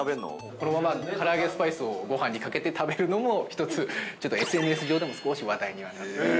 ◆このまま、から揚スパイスをごはんにかけて食べるのもひとつ、ちょっとＳＮＳ上でも少し話題にはなっております。